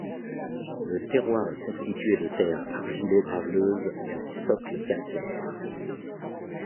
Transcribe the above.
Le terroir est constitué de terres argilo-graveleuses sur socle calcaire.